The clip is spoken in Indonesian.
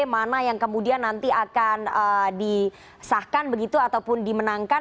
mana yang kemudian nanti akan disahkan begitu ataupun dimenangkan